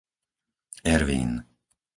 Ervín